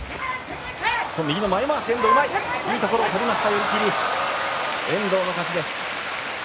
寄り切り、遠藤の勝ちです。